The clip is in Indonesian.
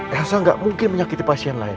elsa tidak mungkin menyakiti pasien lain